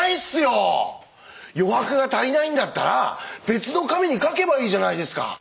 余白が足りないんだったら別の紙に書けばいいじゃないですか。